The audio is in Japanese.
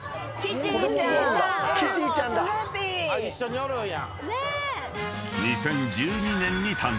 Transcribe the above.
一緒におるんや。